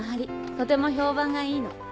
とても評判がいいの。